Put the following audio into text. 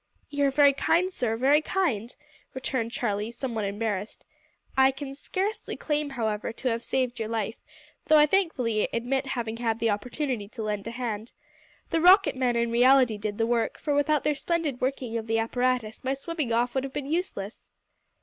"You are very kind, sir, very kind," returned Charlie, somewhat embarrassed. "I can scarcely claim, however, to have saved your life, though I thankfully admit having had the opportunity to lend a hand. The rocket men, in reality, did the work, for without their splendid working of the apparatus my swimming off would have been useless."